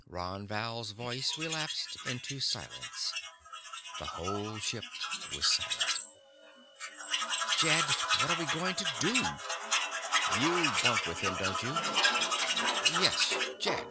Ron Val's voice relapsed into silence. The whole ship was silent. "Jed, what are we going to do?" "You bunk with him, don't you?" "Yes. Jed!